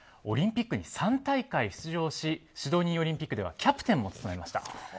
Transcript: オリンピックに３大会出場しシドニーオリンピックではキャプテンも務めました。